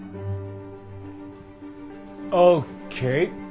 ＯＫ．